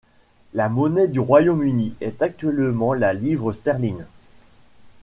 La monnaie du Royaume-Uni est actuellement la livre sterling.